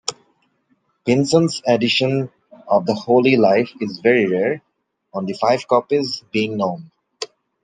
Pynson's edition of the "Holy Lyfe" is very rare, only five copies being known.